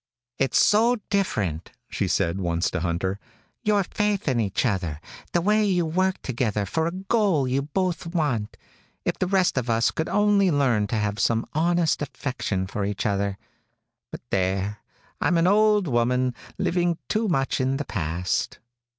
"It's so different," she said once to Hunter, "your faith in each other, the way you work together for a goal you both want. If the rest of us could only learn to have some honest affection for each other. But, there, I'm an old woman, living too much in the past."